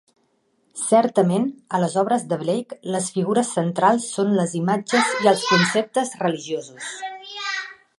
Certament, a les obres de Blake les figures centrals són les imatges i els conceptes religiosos.